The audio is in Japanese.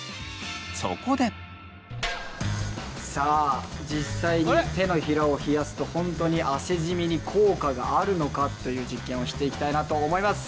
さあ実際に手のひらを冷やすと本当に汗じみに効果があるのかという実験をしていきたいなと思います。